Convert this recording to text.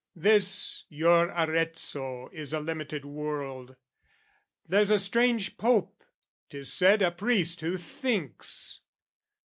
"This your Arezzo is a limited world; "There's a strange Pope, 'tis said, a priest who thinks.